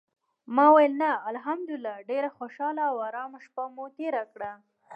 ما ویل: "نه، الحمدلله ډېره خوشاله او آرامه شپه مو تېره کړه".